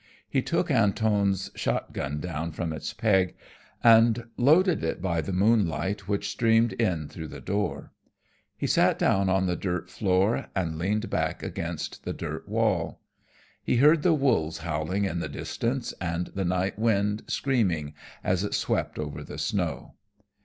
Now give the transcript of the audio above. He took Antone's shot gun down from its peg, and loaded it by the moonlight which streamed in through the door. He sat down on the dirt floor, and leaned back against the dirt wall. He heard the wolves howling in the distance, and the night wind screaming as it swept over the snow.